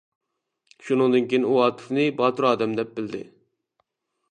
شۇندىن كېيىن ئۇ ئاتىسىنى باتۇر ئادەم دەپ بىلدى.